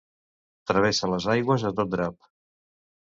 Travessa les aigües a tot drap.